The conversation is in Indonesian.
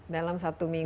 dalam satu minggu